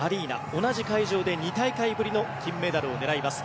同じ会場で２大会ぶりの金メダルを狙います。